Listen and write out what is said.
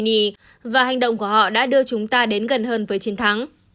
ông knyi và hành động của họ đã đưa chúng ta đến gần hơn với chiến thắng